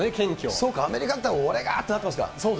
そうか、アメリカだと俺がってなってますか。